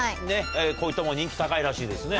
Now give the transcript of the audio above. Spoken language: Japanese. こういったもの人気高いらしいですね。